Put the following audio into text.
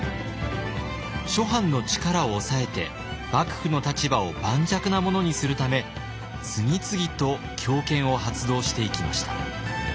諸藩の力を抑えて幕府の立場を盤石なものにするため次々と強権を発動していきました。